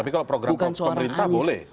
tapi kalau program hoax pemerintah boleh